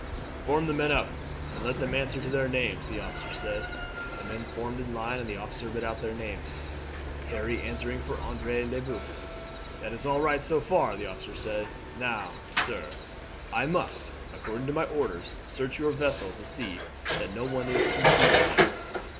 "Form the men up, and let them answer to their names," the officer said. The men formed in line and the officer read out the names; Harry answering for Andre Leboeuf. "That is all right, so far," the officer said. "Now, sir, I must, according to my orders, search your vessel to see that no one is concealed there."